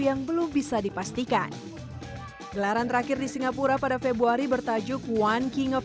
yang belum bisa dipastikan gelaran terakhir di singapura pada februari bertajuk one king up